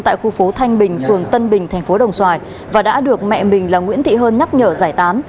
tại khu phố thanh bình phường tân bình thành phố đồng xoài và đã được mẹ mình là nguyễn thị hơn nhắc nhở giải tán